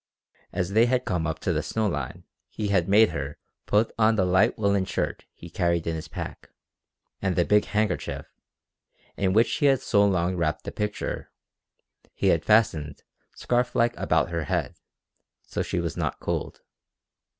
As they had come up to the snow line he had made her put on the light woollen shirt he carried in his pack; and the big handkerchief, in which he had so long wrapped the picture, he had fastened scarf like about her head, so she was not cold.